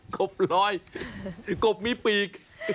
กบลอยกบมีปีก